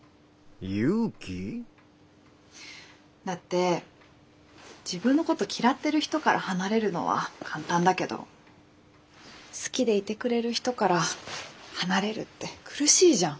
だって自分のこと嫌ってる人から離れるのは簡単だけど好きでいてくれる人から離れるって苦しいじゃん。